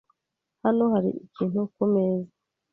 Hano hari ikintu kumeza.